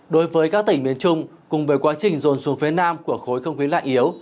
đối với các tỉnh miền trung cùng với quá trình dồn xuống phía nam của khối không khí lạnh yếu